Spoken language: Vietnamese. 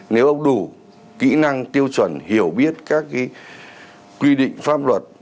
nếu ông đủ kỹ năng tiêu chuẩn hiểu biết các quy định pháp luật